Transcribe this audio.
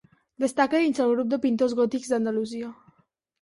Destaca dins del grup de pintors gòtics d'Andalusia.